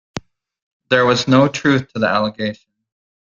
There was no truth to the allegation.